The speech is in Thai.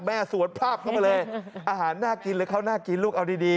สวดพลากเข้ามาเลยอาหารน่ากินเลยเขาน่ากินลูกเอาดี